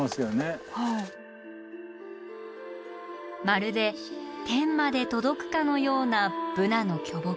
まるで天まで届くかのようなブナの巨木。